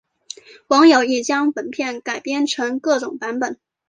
网友亦将本片改编成各种版本。